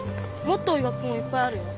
もっと多い学校もいっぱいあるよ。